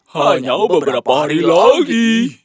hanya beberapa hari lagi